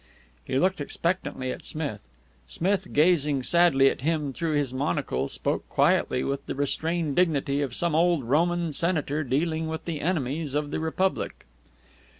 He looked expectantly at Smith. Smith, gazing sadly at him through his monocle, spoke quietly, with the restrained dignity of some old Roman senator dealing with the enemies of the Republic.